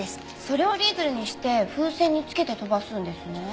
それを折り鶴にして風船につけて飛ばすんですね。